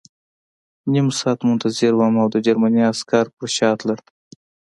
نیم ساعت منتظر وم او د جرمني عسکر په شا تلل